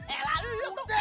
elah yuk yuk